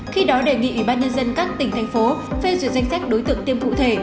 khi đó đề nghị ủy ban nhân dân các tỉnh thành phố phê duyệt danh sách đối tượng tiêm cụ thể